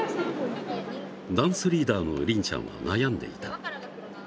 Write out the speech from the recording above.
ダンスリーダーのりんちゃんは悩んでいた。